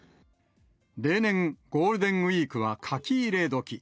例年、ゴールデンウィークは書き入れ時。